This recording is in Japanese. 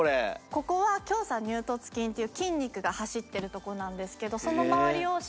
ここは胸鎖乳突筋っていう筋肉が走ってるとこなんですけどその周りをしっかりほぐして。